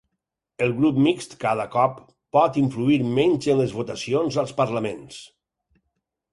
El grup mixt cada cop pot influir menys en les votacions als parlaments